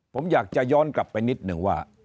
ผมอยากจะย้อนกลับไปนิดนึงว่า